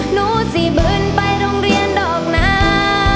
หนูสี่บึนไปโรงเรียนดอกน้ำ